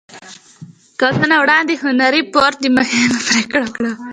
کلونه وړاندې هنري فورډ يوه مهمه پرېکړه وکړه.